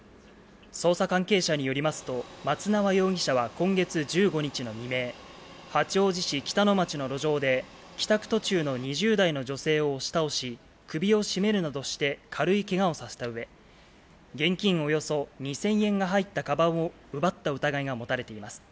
捜査関係者によりますと、松縄容疑者は今月１５日の未明、八王子市北野町の路上で、帰宅途中の２０代の女性を押し倒し、首を絞めるなどして軽いけがをさせたうえ、現金およそ２０００円が入ったかばんを奪った疑いが持たれています。